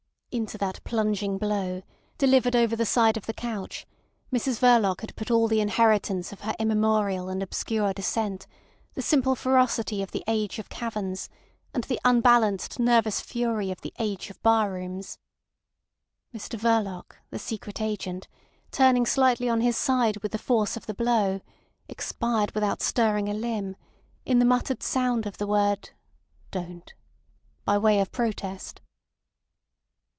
Into that plunging blow, delivered over the side of the couch, Mrs Verloc had put all the inheritance of her immemorial and obscure descent, the simple ferocity of the age of caverns, and the unbalanced nervous fury of the age of bar rooms. Mr Verloc, the Secret Agent, turning slightly on his side with the force of the blow, expired without stirring a limb, in the muttered sound of the word "Don't" by way of protest.